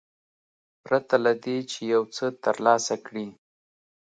پرته له دې چې یو څه ترلاسه کړي.